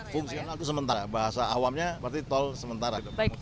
fungsional itu sementara bahasa awamnya berarti tol sementara